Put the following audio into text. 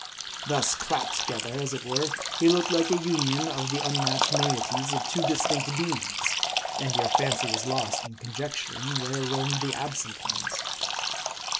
Thus clapped together, as it were, he looked like a union of the unmatched moieties of two distinct beings ; and 120 M A X R D I. your fancy was lost in conjecturing, where roamed the ab sent ones.